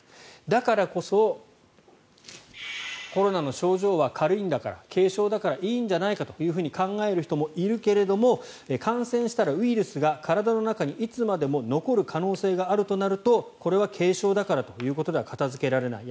だからこそ、コロナの症状は軽いんだから軽症だからいいんじゃないかと考える人もいるけれど感染したらウイルスが体の中にいつまでも残る可能性があるとなるとこれは軽症だからということでは片付けられない。